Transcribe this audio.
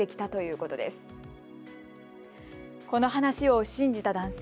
この話を信じた男性。